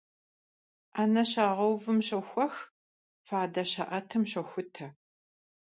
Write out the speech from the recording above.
Ӏэнэ щагъэувым щохуэх, фадэ щаӀэтым щохутэ.